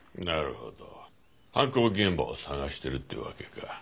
なるほど犯行現場を探してるってわけか。